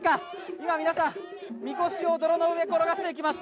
今、皆さん、みこしを泥の上、転がしていきます。